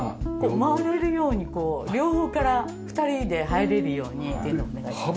回れるようにこう両方から２人で入れるようにっていうのをお願いしました。